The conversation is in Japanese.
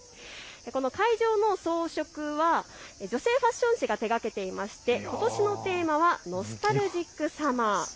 この会場の装飾は女性ファッション誌が手がけていまして、ことしのテーマはノスタルジックサマー。